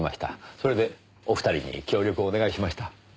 それでお二人に協力をお願いしました。